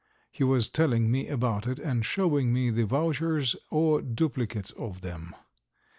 He was telling me about it and showing me the vouchers or duplicates of them.